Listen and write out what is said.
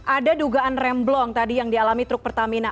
ada dugaan remblong tadi yang dialami truk pertamina